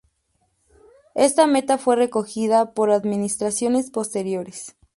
Esta meta fue recogida por administraciones posteriores.